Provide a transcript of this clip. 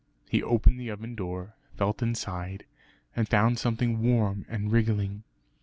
He opened the oven door, felt inside, and found something warm and wriggling.